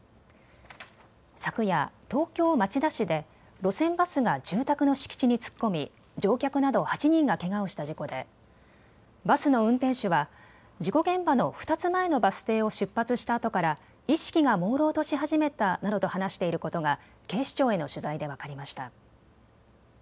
昨夜、東京町田市で路線バスが住宅の敷地に突っ込み乗客など８人がけがをした事故でバスの運転手は事故現場の２つ前のバス停を出発したあとから意識がもうろうとし始めたなどと話していることが警視庁への取材で分かりました。